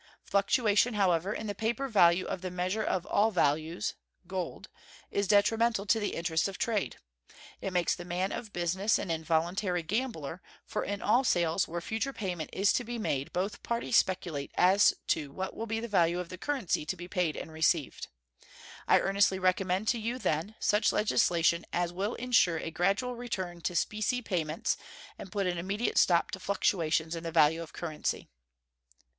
Fluctuation, however, in the paper value of the measure of all values (gold) is detrimental to the interests of trade. It makes the man of business an involuntary gambler, for in all sales where future payment is to be made both parties speculate as to what will be the value of the currency to be paid and received. I earnestly recommend to you, then, such legislation as will insure a gradual return to specie payments and put an immediate stop to fluctuations in the value of currency.